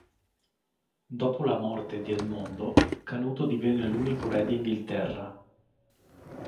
Dopo la morte di Edmondo, Canuto divenne l'unico re di Inghilterra.